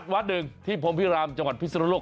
วัดหนึ่งที่พรมพิรามจังหวัดพิศนุโลก